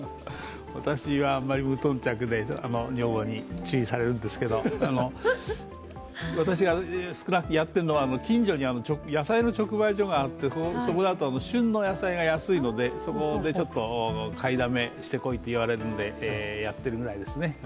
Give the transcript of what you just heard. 私は無頓着で、女房に注意されるんですけど私がやっているのは近所に野菜の直売所があってそこだと旬の野菜が安いのでそこで買いだめしてこいって言われるんでやってるぐらいですね。